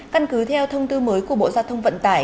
căn cứ theo thông tư mới của bộ giao thông vận tải